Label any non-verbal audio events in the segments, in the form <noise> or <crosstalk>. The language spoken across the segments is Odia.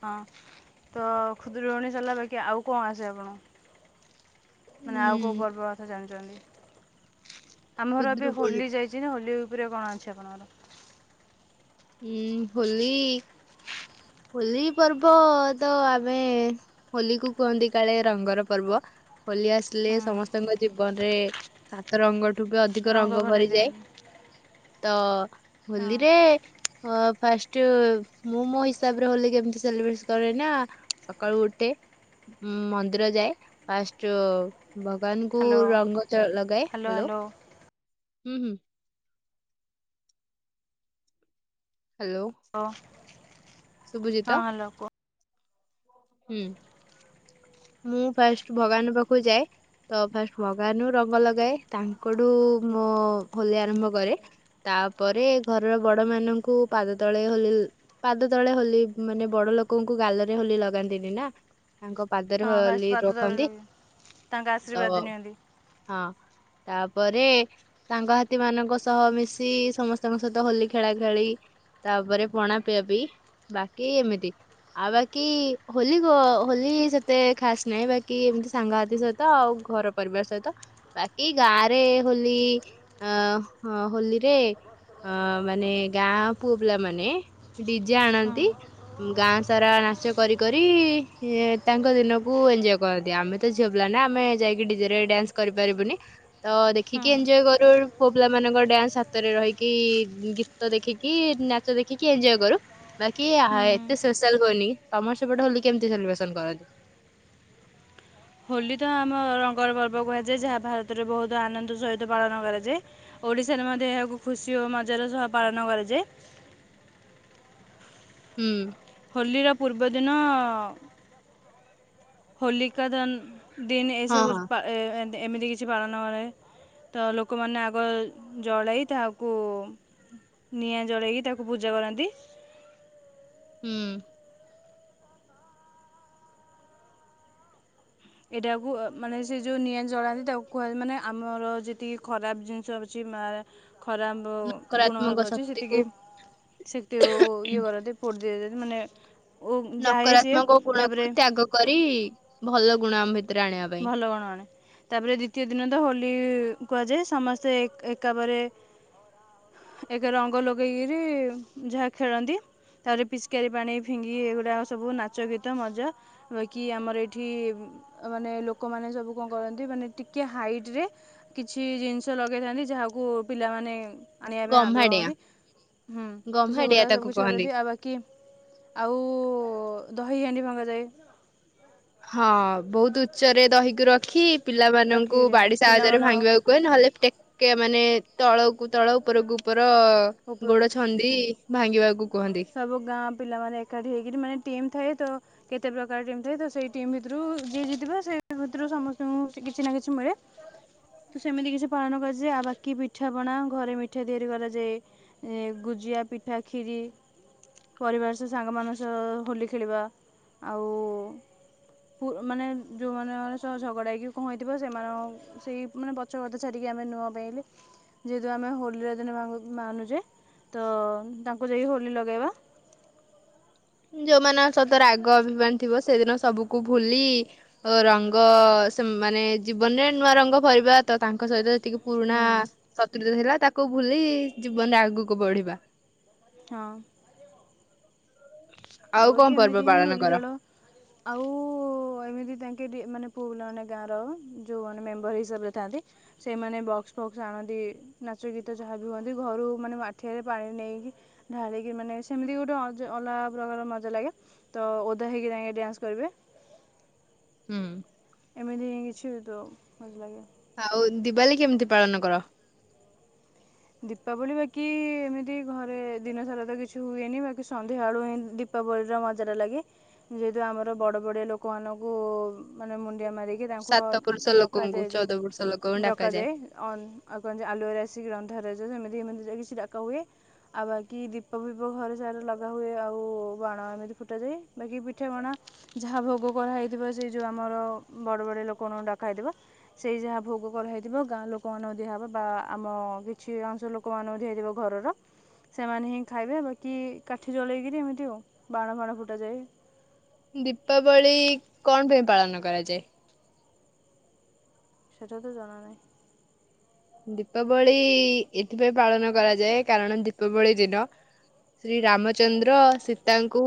ହଁ ତ ଖୁଦୁରୁକୁଣୀ ସରିଲା ବାକି ଆଉ କଣ ଆସେ ଆପଣଙ୍କୁ? ମାନେ ଆଉ କୋଉ ହୁଁ ପର୍ବ କଥା ଜାଣିଚନ୍ତି? ଆମର ଏବେ ଖୁଦୁରୁକୁଣୀ ହୋଲି ଯାଇଚି ନା ହୋଲି ରେ କଣ ଅଛି ଆପଣଙ୍କର? ହୁଁ ହୋଲି ହୋଲି ପର୍ବ ତ ଆମେ ହୋଲିକୁ କୁହନ୍ତି କାଳେ ରଙ୍ଗର ପର୍ବ। ହୋଲି ଆସିଲେ ହୁଁ ସମସ୍ତଙ୍କ ଜୀବନରେ ସାତ ରଙ୍ଗ ଠୁ ବି ଅଧିକ ରଙ୍ଗ ଭରେଇ ଭରିଯାଏ, ଦେଲି ତ ହଁ ହୋଲିରେ ଅଁ ଫାଷ୍ଟ ମୁଁ ମୋ ହିସାବରେ ହୋଲି କେମତି ସେଲିବ୍ରେଟ୍ସ କରେ ନା ସକାଳୁ ଉଠେ ମନ୍ଦିର ଯାଏ ଫାଷ୍ଟ ଭଗବାନକୁ ହ୍ୟାଲୋ ହ୍ୟାଲୋ ରଙ୍ଗ ଚ ଲଗାଏ ହ୍ୟାଲୋ। ଉଁ ହୁଁ। ହ୍ୟାଲୋ। ଶୁଭୁଚି ହଁ ତ ହାଲୋ କୁହ। ହୁଁ, ମୁଁ ଫାଷ୍ଟ ଭଗବାନ ପାଖକୁ ଯାଏ ତ ଫାଷ୍ଟ ଭଗବାନରୁ ରଙ୍ଗ ଲଗାଏ ତାଙ୍କଠୁ ମୋ ହୋଲି ଆରମ୍ଭ କରେ, ତାପରେ ଘରର ବଡ ମାନଙ୍କୁ ପାଦ ତଳେ ହୋଲି ପାଦ ତଳେ ହୋଲି ମାନେ ବଡ ଲୋକଙ୍କୁ ଗାଲରେ ହୋଲି ଲଗା ନ୍ତିନି ନା। ତାଙ୍କ ପାଦରେ ହଁ ଫାଷ୍ଟ ହୋଲି ପାଦ ତଳେ ରଖନ୍ତି ଲଗେଇ ତାଙ୍କ ତ ଆଶୀର୍ବାଦ ନିଅନ୍ତି ହଁ। ତାପରେ ସାଙ୍ଗସାଥି ମାନଙ୍କ ସହ ମିଶି ସମସ୍ତଙ୍କ ସହିତ ହୋଲି ଖେଳା ଖେଳି, ତାପରେ ପଣା ପିଆପିଇ ବାକି ଏମିତି ଆଉ ବାକି ହୋଲି କ ହୋଲି ସେତେ ଖାସ୍ ନାହିଁ ବାକି ଏମିତି ସାଙ୍ଗସାଥି ସହିତ ଆଉ ଘର ପରିବାର ସହିତ ବାକି ଗାଁରେ ହୋଲି ଅଁ ହୋଲିରେ ଅଁ ମାନେ ଗାଁ ପୁଅ ପିଲା ମାନେ ଡିଜେ ହଁ ଆଣନ୍ତି ଗାଁ ସାରା ନାଚ କରି କରି ତାଙ୍କ ଦିନକୁ ଏଞ୍ଜୟ କରନ୍ତି ଆମେ ତ ଝିଅ ପିଲା ନା ଆମେ ଯାଇକି ଡିଜେ ରେ ଡ୍ୟାନ୍ସ କରିପାରିବୁନି ତ ହୁଁ। ଦେଖିକି ଏଞ୍ଜୟ କରୁ ପୁଅ ପିଲା ମାନଙ୍କ ଡ୍ୟାନ୍ସ ହାତରେ ରହିକି ଗୀତ ଦେଖିକି ନାଚ ଦେଖିକି ଏଞ୍ଜୟ କରୁ, ବାକି ହୁଁ ଏତେ ସ୍ପେଶାଲ ହୁଅନି ତମର ସେପଟେ ହୋଲି କେମିତି ସେଲିବ୍ରେସନ କରନ୍ତି? ହୋଲି ତ ଆମ ରଙ୍ଗର ପର୍ବ କୁହାଯାଏ ଯାହା ଭାରତରେ ବହୁତ ଆନନ୍ଦ ସହିତ ପାଳନ କରାଯାଏ, ଓଡ଼ିଶାରେ ମଧ୍ୟ ଏହାକୁ ଖୁସି ଓ ମଜାର ସହ ପାଳନ କରାଯାଏ। ହୁଁ। ହୋଲିର ପୂର୍ବଦିନ ହୋଲିି କା ଦନ- <unintelligible> ହଁ ହଁ ଏମିତି କିଛି ପାଳନ କରେ ତ ଲୋକମାନେ ଆଗ ଜଳାଇ ତାହାକୁ ନିଆଁ ଜଳାଇକି ତାକୁ ପୂଜା କରନ୍ତି। ହୁଁ। ଏଇଟାକୁ ମାନେ ସେ ଯୋଉ ନିଆଁ ଜଳାନ୍ତି ତାକୁ କୁହା ମାନେ ଆମର ଯେତିକି ଖରାପ ଜିନିଷ ଅଛି ମା ଏ ଖରାପ ଗୁଣ ନକାରାତ୍ମକ ଭାବ ଅଛି ଶକ୍ତିକୁ ସେତିକି ସେ ତିଓ ଓ ଇଏ କରନ୍ତି ଫୋ ଦି ଦିଅନ୍ତି ମାନେ ଓ ଯାଏ ସିଏ ନକରାତ୍ମକ ତାପରେ ଗୁଣକୁ ତ୍ୟାଗ କରି ଭଲଗୁ ଗୁଣ ଆମ ଭି ଭଲ ଗୁଣ ଆଣେ ତାପରେ ଦ୍ଵିତୀୟ ଦିନ ତ ହୋଲି କି କୁହାଯାଏ ସମସ୍ତେ ଏକା ଏକାପରେ ଏକ ରଙ୍ଗ ଲଗେଇକିରି ଯାହା ଖେଳନ୍ତି ତା ପରେ ପିଚକାରୀ ପାଣି ଫିଙ୍ଗିକି ଏଗୁଡ଼ାକ ସବୁ ନାଚ ଗୀତ ମଜା ବାକି ଆମର ଏଇଠି ବୁ ଅ ମାନେ ଲୋକମାନେ ସବୁ କଣ କରନ୍ତି ମାନେ ଟିକେ ହାଇଟ ରେ କିଛି ଜିନିଷ ଲଗେଇଥାନ୍ତି ଯାହା କୁ ପିଲାମାନେ ଆଣିବା ପାଇଁ ଆଗ୍ରହ ଗମ୍ହାଡିଆ ହୁଅନ୍ତି ହୁଁ ତ ଗମ୍ହାଡିଆ ସେଗୁଡ଼ା ତାକୁ ସବୁ କିଛି କହନ୍ତି। କରନ୍ତିି ଆଉ ବାକି ଆଉ ଦହି ହାଣ୍ଡି ଭାଙ୍ଗନ୍ତି। କୁହା ଯାଏ। ହଁ ବହୁତ ଉଚ୍ଚରେ। ଦହିକୁ ରଖି ପିଲାମାନଙ୍କୁ ରଖିକିରି ବାଡ଼ି ସାହାଯ୍ୟରେ ପିଲାମାନ ଭାଙ୍ଗିବାକୁ କୁହେ ନହେଲେ ଟେକେ ମାନେ ତଳକୁ ତଳ ଉପରକୁ ଉପ ଉପର ଭାଙ୍ଗିବାକୁ କୁହନ୍ତି। ସବୁ ଗାଁ ପିଲାମାନେ ଏକାଠି ହେଇକରି ମାନେ ଟିମ୍ ଥାଏ ତ କେତେ ପ୍ରକାର ଟିମ୍ ଥାଏ, ତ ସେଇ ଟିମ୍ ଭିତରୁ ଯିଏ ଜିତିବ ସେ ଭିତରୁ ସମସ୍ତଙ୍କୁ କିଛି ନା କିଛି ମିଳେ। ତ ସେମିତି କିଛି ପାଳନ କରାଯାଏ, ଆଉ ବାକି ପିଠାପଣା ଘରେ ମିଠା ତିଆରି କରାଯାଏ। ଗୁଜିଆ ପିଠା କ୍ଷୀରି ପରିବାର ସହ ସାଙ୍ଗମାନଙ୍କ ସହ ହୋଲି ଖେଳିବା ଆଉ ମାନେ ଯୋଉଁମାନଙ୍କ ସହ ଝଗଡ଼ା ହେଇକି କଣ ହେଇଥିବ ସେମାନ ସେଇ ମାନ ପଛକଥା ଛାଡ଼ିକି ଆମେ ନୂଆ ପାଇଲେ ଯେହେତୁ ଆମେ ହୋଲିର ଦିନ ମା ମାନୁଛେ ତ ତାଙ୍କୁ ଯାଇ ହୋଲି ଲଗାଇବା। ଯୋଉମାନଙ୍କ ସହିତ ରାଗ ଅଭିମାନ ଥିବ ସେଦିନ ସବୁକୁ ଭୁଲି ରଙ୍ଗ ସେ ମାନେ ଜୀବନରେ ନୂଆ ରଙ୍ଗ ଭରିବା ତ ତାଙ୍କ ସହିତ ଟିକେ ପୁରୁଣା ହୁଁ ଶତ୍ରୁତା ଥିଲା। ତାକୁ ଭୁଲି ଜୀବନରେ ଆଗୁକୁ ବଢିବା। ହଁ। ଆଉ ଆ କଣ କି ପର୍ବ ଏମିତି ହିଁ ପାଳନ ହୋଲି କର? ଖେଳ, ଆଉ ଏମିତି ତାଙ୍କେ ମାନେ ପୁଅପିଲା ମାନେ ଗାଁର ଯୋଉଁମାନେ ମେମ୍ବର ହିସାବରେ ଥାଆନ୍ତି, ସେମାନେ ବକ୍ସ ଫକ୍ସ ଆଣନ୍ତି ନାଚ ଗୀତ ଯାହା ବି ହୁଅନ୍ତି ଘରୁ ମାନେ ମାଠିଆରେ ପାଣି ନେଇକି ଢାଳିକି ମାନେ ସେମିତି ଗୋଟେ ଅଜ ଅଲଗା ପ୍ରକାର ମଜା ଲାଗେ ତ ଓଦା ହେଇକି ଯାଇଁକି ଡ୍ୟାନ୍ସ କରିବେ। ହୁଁ। ଏମିତି ହିଁ କିଛି ହୋଇଥାଉ ଭଲ ଲାଗେ। ଆଉ ଦିୱାଲୀ କେମିତି ପାଳନ କର? ଦୀପାବଳି ବାକି ଏମିତି ଘରେ ଦିନସାରା ତ କିଛି ହୁଏନି, ବାକି ସନ୍ଧ୍ୟାବେଳୁ ହିଁ ଦୀପାବଳିର ମଜାଟା ଲାଗେ ଯେହେତୁ ଆମର ବଡ ବଡିଆ ଲୋକମାନଙ୍କୁ ମାନେ ମୁ ଣ୍ଡିଆ ମାରିକି ତାଙ୍କୁ ଅ ସାତ ପୁରୁଷ ଲୋକଙ୍କୁ ଡକାଯାଏ ଯେ ଚଉଦ ପୁରୁଷ ଲୋକଙ୍କୁ ଡାକାଯାଏ। ଡକାଯାଏ ଅନ ଆଉ କହନ୍ତି ଯେ ଆଲୁଅରେ ଆସି ଶି ଗ୍ରନ। ରେ ସେମିତି ଏମିତି କିଛି ଡକା ହୁଏ ଆଉ ବାକି ଦୀପ ଫିପ ଘର ସାରା ଲଗା ହୁଏ ଆଉ ବାଣ ଏମିତି ଫୁଟାଯାଏ ବାକି ପିଠା ପଣା ଯାହା ଭୋଗ କରାହଇଥିବ ସେଇ ଯୋଉ ଆମର ବଡ଼ ବଡ଼ ଲୋକମାନଙ୍କୁ ଡାକହେଇଥିବ ସେଇ ଯାହା ଭୋଗ କରାହଇଥିବ ଗାଁ ଲୋକମାନଙ୍କୁ ଦିଆହବ ବା ଆମ କିଛି ଅଂଶ ଲୋକମାନଙ୍କୁ ଦିଆ ଯିବ ଘରର ସେମାନେ ହିଁ ଖାଇବେ ବାକି କାଠି ଜଳେଇକିରି ଏମିତି ଆଉ। ବାଣ ଫାଣ ଫୁଟାଯାଏ ଦୀପାବଳି କଣ <unintelligible> ପାଳନ କରାଯାଏ। ସେଟା ତ ଜଣା ନାହିଁ। ଦୀପାବଳି ଏଥିପାଇଁ ପାଳନ କରାଯାଏ କାରଣ ଦୀପାବଳି ଦିନ ଶ୍ରୀ ରାମଚନ୍ଦ୍ର ସୀତାଙ୍କୁ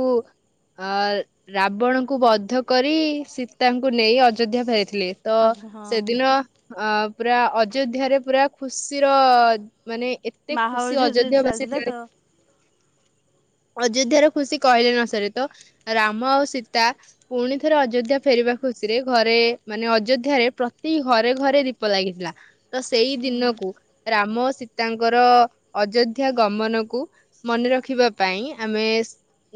ଅ ରାବଣଙ୍କୁ ବଦ୍ଧ କରି ସୀତାଙ୍କୁ ନେଇ ଅଯୋଧ୍ୟା ଫେର ଥିଲେ ତ ଆଚ୍ଛା ହଁ ସେଦିନ ଅ ପୁରା ଅଯୋଧ୍ୟାରେ ପୁରା ଖୁସି ର ମାନେ ଏତେ ମାହୋଲ ଖୁସି ଯେହେତୁ ଅଯୋଧ୍ୟା ଚାଲିଥିଲା ତ ବାସିଥିଲେ ଅଯୋଧ୍ୟ ର ଖୁସି କହିଲେ ନ ସରେ ତ ରାମ ଆଉ ସୀତା ପୁଣି ଥରେ ଅଯୋଧ୍ୟା ଫେରିବା ଖୁସିରେ ଘରେ ମାନେ ଅଯୋଧ୍ୟାରେ ପ୍ରତି ଘରେ ଘରେ ଦୀପ ଲାଗିଥିଲା ତ ସେଇ ହୁଁ। ଦିନକୁ ରାମ ଓ ସୀତାଙ୍କର ଅଯୋଧ୍ୟା ଗମନକୁ ମନେ ରଖିବା ପାଇଁ ଆମେ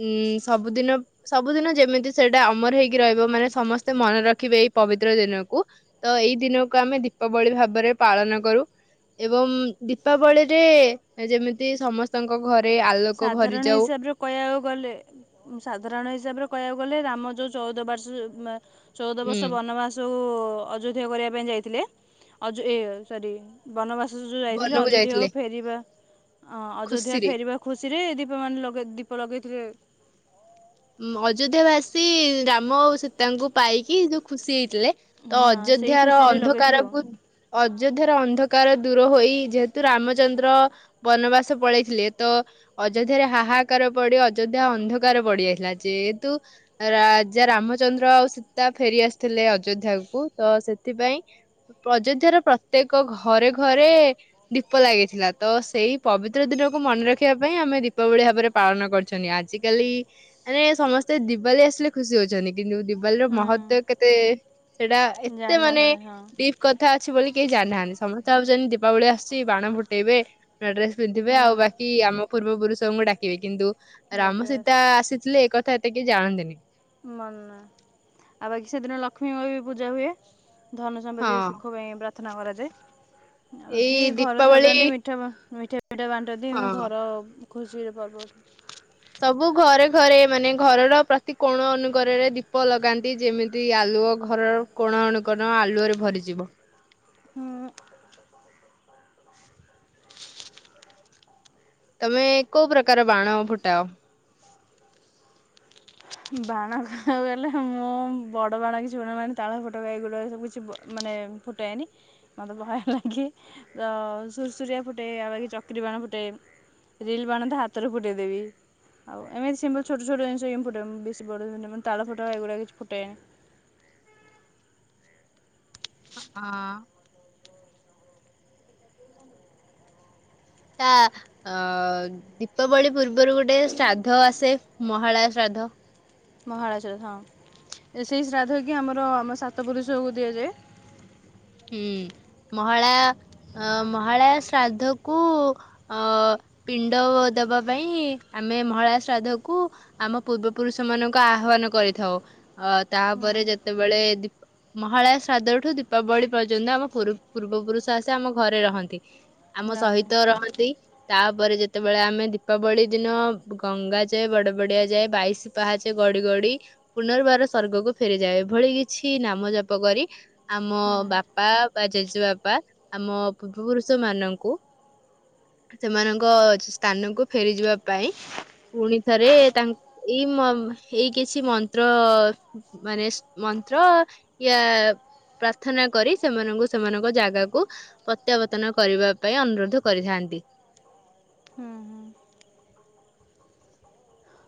ଉଁ ସବୁଦିନ ସବୁଦିନ ଯେମିତି ସେଇଟା ଅମର ହେଇକି ରହିବ ମାନେ ସମସ୍ତେ ମନେ ରଖିବେ ଏଇ ପବିତ୍ର ଦିନକୁ ତ ଏଇ ଦିନକୁ ଆମେ ଦୀପାବଳି ଭାବରେ ପାଳନ କରୁ ଏବଂ ଦୀପାବଳିରେ ଯେମିତି ସମସ୍ତଙ୍କ ଘରେ ଆଲୋକ ସାଧାରଣ ଭରିଯାଉ ହିସାବରେ କହିବାକୁ ଗଲେ ସାଧାରଣ ହିସାବରେ କହିବାକୁ ଗଲେ ରାମ ଯୋଉ ଚଉଦ ବାର୍ଷ ଉ ମ ଚଉଦ ହୁଁ ବର୍ଷ ବନବାସ ଉ ଓ ଅଯୋଧ୍ୟା କରିବା ପାଇଁ ଯାଇଥିଲେ ଅଯୋ ଏ ସରି ବନବା ଯୋ ଯୋ ଯାଇଥିଲି ବନକୁ ଅଯୋଧ୍ୟା ଯାଇଥିଲେ ଆଉ ଫେରିବା ଅ ଅଯୋଧ୍ୟା ଖୁସିରେ। ଫେରିବାକୁ ଖୁସିରେ ଦୀପ ମାନେ ଦୀପ ଲଗେଇଥିଲେ। ଅଯୋଧ୍ୟା ବାସୀ ରାମ ଆଉ ସୀତାଙ୍କୁ ପାଇକି ଯୋଉ ଖୁସି ହେଇଥିଲେ ତ ହଁ ସେଇ ଅଯୋଧ୍ୟାର ଖୁସିରେ ଲଗାଇଥିଲେ ଆଉ ଅନ୍ଧକାରକୁ ଅଯୋଧ୍ୟାର ଅନ୍ଧ କାର ଦୂର ହୋଇ ଯେହେତୁ ରାମଚନ୍ଦ୍ର ବନବାସ ପଳେଇଥିଲେ ତ ଅଯୋଧ୍ୟାରେ ହାହାକାର ପଡି ଅଯୋଧ୍ୟା ଅନ୍ଧକାର ପଡିଯାଇ ଥିଲା ଯେହେତୁ ରାଜା ରାମଚନ୍ଦ୍ର ଆଉ ସୀତା ଫେରି ଆସିଥିଲେ ଅଯୋଧ୍ୟାକୁୁ ତ ସେଥିପାଇଁ ଅଯୋଧ୍ୟାର ପ୍ରତ୍ୟେକ ଘରେ ଘରେ ଦୀପ ଲାଗିଥିଲା ତ ସେଇ ପବିତ୍ର ଦିନକୁ ମନେ ରଖିବା ପାଇଁ ଆମେ ଦୀପାବଳି ଭାବରେ ପାଳନ କରିୁଛନ୍ତି ଆଜିକାଲି ମାନେ ସମସ୍ତେ ଦିିବାଲି ଆସିଲେ ଖୁସି ହଉଛନ୍ତି କିନ୍ତୁ ଦିିବାଲିର ମହତ୍ୱ ହୁଁ କେତେ ସେଇଟା ଏତେ ମାନେ ଜାଣିନଥାନ୍ତି ହଁ ଡିପ୍ କଥା ଅଛି ବୋଲି କେହି ଜାଣିନାହାନ୍ତି ସମସ୍ତେ ଭାବୁଛନ୍ତି ଦୀପାବଳି ଆଶୁଛି ବାଣ ଫୁଟେଇବେ ନୂଆ ଡ୍ରେସ ପିନ୍ଧିବେ ଆଉ ବାକି ଆମ ପୂର୍ବ ପୁରୁଷ ସଙ୍କୁ ଡାକିବେ କିନ୍ତୁ ହୁଁ ରାମ ଦେଖିବା ସୀତା ଆସି ଏକଥା ଏତେ କେହି ଜଣନ୍ତିନି। ମନେ ଆଉ ବାକି ସେଦିନ ଲକ୍ଷ୍ମୀଙ୍କ ବି ପୂଜା ହୁଏ। ଧନ ହଁ ସମ୍ପତ୍ତି ସୁଖ ପାଇଁ ପର୍ଥନା କରାଯାଏ। ଆଉ କି ଏଇ ଘରେ ଦୀପାବଳି ସଜାନ୍ତି ମିଠା ମିଠା ମିଠା ବାଣ୍ଟନ୍ତି ଏମିତି ହଁ ଘର ଖୁସିର ପର୍ବ। ସବୁ ଘରେ ଘରେ ମାନେ ଘରର ପ୍ରତି କୋଣ ଅନଣୁଗରରେ ଦୀପ ଲଗାନ୍ତି ଯେମିତି ଆଲୁଅ ଘରର କୋଣ ଅନୁକୋଣ ଆଲୁଅରେ ଭରିଯିବ। ହୁଁ। ତମେ କଉ ପ୍ରକାର ବାଣ ଫୁଟାଅ? ବାଣ କହିବାକୁ ଗଲେ ମୁଁ ବଡ଼ ବାଣ କିଛି ମାନେ ତାଳ ଫୁଟ ଏଇଗୁଡ଼ା ସବୁ କିଛି ମାନେ ଫୁଟାଏନି ମୋତେ ଭୟ ଲାଗେ ତ ସୁରୁସରିଆ ଫୁଟେ ଆଉ ବାକ ଚକରୀ ବାଣ ଫୁଟେ ରିଲ୍ ବାଣ ତ ହାତରୁ ଫୁଟାଇ ଦେବି ଆଉ ଏମିତି ସିମ୍ଲ ଛୋଟ ଛୋଟ ଜିନିଷ ଫୁଟ ବେଶି ବଡ ମାନେ ତାଳ ଫୁଟୁକା ଏଗୁଡ଼ା କିଛି ଫୁଟାଏନି। ହଁ। ତା ଅ ଦୀପାବଳି ପୂର୍ବରୁ ଗୋଟେ ଶ୍ରାଦ୍ଧ ଆସେ ମହାଳୟ ଶ୍ରାଦ୍ଧ। ମହାଳୟ ଶ୍ରାଦ୍ଧ ହଁ ସେଇ ଶ୍ରାଦ୍ଧ କି ଆମର ଆମ ସାତ ପୁରୁଷଙ୍କୁ ଦିଆଯାଏ। ହୁଁ ମହାଳୟା ମହାଳୟା ଶ୍ରାଦ୍ଧ କୁ ଅ ପିଣ୍ଡ ଦବା ପାଇଁ ଆମେ ମହାଳୟା ଶ୍ରାଦ୍ଧକୁ ଆମ ପୂର୍ବପୁରୁଷ ମାନଙ୍କୁ ଆହ୍ଵାନ କରିଥାଉ ଅ ହୁଁ ତାପରେ ଯେତେବେଳେ ଦି ମହାଳୟା ଶ୍ରାଦ୍ଧ ଠୁ ଦୀପାବଳି ପର୍ଯ୍ୟନ୍ତ ଆମ ପୂର୍ବ ପୁରୁଷ ଆସି ଆମ ଘରେ ରହନ୍ତି। ଆମ ନହେଲେ ସହିତ ରହନ୍ତି। ତାପରେ ଯେତେବେଳେ ଆମେ ଦୀପାବଳି ଦିନ ଗଙ୍ଗା ଯାଏ ବଡ ବଡିଆ ଯାଏ ବାଇଶ ପାହାଚାଏ ଗଡି ଗଡି ପୁନର୍ବାର ସ୍ଵର୍ଗକୁ ଫେରିଯାଏ ଏଭଳି କିଛି ନାମ ଜାପ କରି ଆମ ହୁଁ ବା ପା ବା ଜେଜେବାପା ଆମ ପୂର୍ବପୁରୁଷ ମାନଙ୍କୁ ସେମାନଙ୍କ ସ୍ଥାନକୁ ଫେରିଯିବା ପାଇଁ ପୁଣି ଥରେ ତାଙ୍କ ଏଇ ଏଇ କିଛି ମନ୍ତ୍ର ମାନେ ମନ୍ତ୍ର ୟା ପ୍ରାର୍ଥନା କରି ସେମାନଙ୍କୁ ସେମାନଙ୍କ ଜାଗାକୁ ପ୍ରତ୍ୟାବର୍ତ୍ତନ କରିବା ପାଇଁ ଅନୁରୋଧ କରିଥାନ୍ତି। ହୁଁ ହୁଁ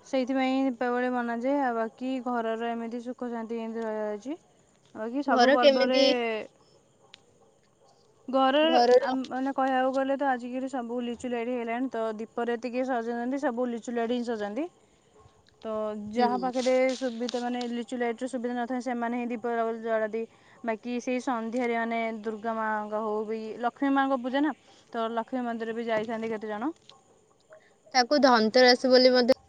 ସେଇଥିପାଇଁ ଦୀପାବଳି ମନାଯାଏ ଆ ବାକି ଘରର ଏମିତି ସୁଖ ଶାନ୍ତି ଏମିତି ରହିବାଅଛି। ଆକି ସବୁ ଘର ପର୍ବରେ କେମିତି ଘର ଘରର ମାନେ କହିବାକୁ ଗଲେ ତ ଆଜିକଲି ସବୁ ଲିଚୁ ଲାଇଡି ହେଲାଣି ତ ଦୀପରେ ଟିକେ ସଜନ୍ତି ସବୁ ଲିଚୁ ଲାଇଟ୍ ହିଁ ସଜାନ୍ତି। ତ ହୁଁ ଯାହା ପାଖେରେ ସୁବି ସେମାନେ ଲିଚୁ ଲାଇଟ୍ ର ସୁବିଧା ନଥାଏ ସେମାନେ ହିଁ ଦୀପ ଜଳାନ୍ତି ବାକି ସେହି ସନ୍ଧ୍ୟାରେ ମାନେ ଦୁର୍ଗା ମା ହଉ ବି ଲକ୍ଷ୍ମୀ ମାଙ୍କ ପୂଜା ନା ତ ଲକ୍ଷ୍ମୀ ମନ୍ଦିର ବି ଯାଇଥାନ୍ତି କେତେଜଣ। ତାକୁ ଧନ୍ତରାସ ବୋଲି ମଧ୍ୟ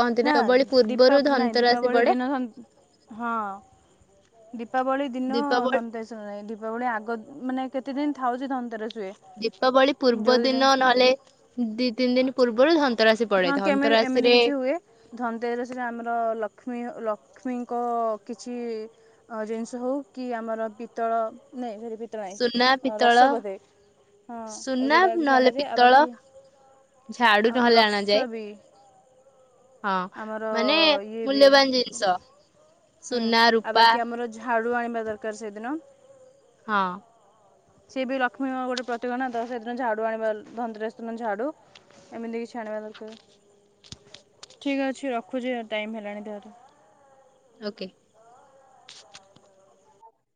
କହନ୍ତି ନା ଦୀପାବଳି ପୂର୍ବରୁ ଦୀପା ନାଇଁ ଧନ୍ତରାଶି ଦୀପାବଳି ପଡେ ଦିନ ହଁ। ଦୀପ୍। ପାବଳି ଦିନ ଦୀପାବଳି ସନ୍ତୋଷ ନାହିଁ ଦୀପାବଳି ଆଗ ମାନେ କେତେ ଦିନ ଥାଉଛି ଧନ୍ତରା ଦୀପାବଳି ପୂର୍ବ ଦିନ ନହଲେ ଦି ତିନ୍ ଦିନ୍ ପୂର୍ବରୁ ଧନ୍ ହଁ କେମିତି ଏମିତି କିଛି ହୁଏ ଧନ୍ତରାଶିରେ ଆମର ଲକ୍ଷ୍ମୀ ଲ ଲକ୍ଷ୍ମୀଙ୍କ କିଛି ଜିନିଷ ହଉ କି ଆମର ପିତ୍ତଳ ନାଇଁ ପିତ୍ତଳ ସୁନା ନାହିଁ ରସ ପିତଳ ବୋଧେ ହଁ ସୁନା ଏଗୁଡ଼ା କିଛି ନହଲେ ଅଣାଯାଏ ଆଉ ପିତଳ ବାକି ଝାଡୁ ନହେଲେ ଆଣାଯାଏ। ହୁ। ହଁ ମାନେ ମୂଲ୍ୟବାନ ଜିନ୍ଷ ହୁଁ ସୁନା ଆଉ ରୂପା। ବାକି ଆମର ଝାଡ଼ୁ ଆଣିବା ଦରକାର ସେଦିନ। ହଁ। ସିଏ ବି ଲକ୍ଷ୍ମୀ ମା ଗୋଟେ ପ୍ରତିକ ନା ସେଦିନ ଝାଡ଼ୁ ଆଣିବା ଧନ୍ତରାଶୀ ଦିନ ଝାଡ଼ୁ ଏମିତି କିଛି ଆଣିବା ଦରକାର ଠିକ୍ ଅଛି ରଖୁଛି ଟାଇମ୍ ହେଲାଣି। ଓକେ।